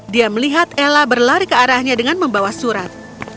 dia melihat ella berlari ke arahnya dengan membawa surat